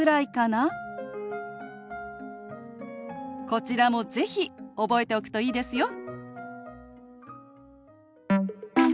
こちらも是非覚えておくといいですよ。